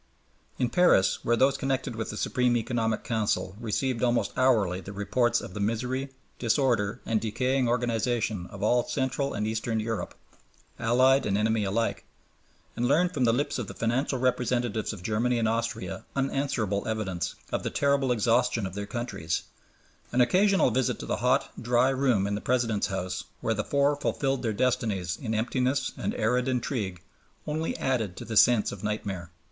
In Paris, where those connected with the Supreme Economic Council, received almost hourly the reports of the misery, disorder, and decaying organization of all Central and Eastern Europe, allied and enemy alike, and learnt from the lips of the financial representatives of Germany and Austria unanswerable evidence, of the terrible exhaustion of their countries, an occasional visit to the hot, dry room in the President's house, where the Four fulfilled their destinies in empty and arid intrigue, only added to the sense of nightmare.